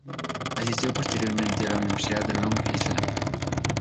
Asistió posteriormente a la Universidad de Long Island.